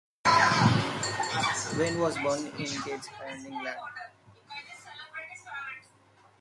Wane was born in Gateshead, England.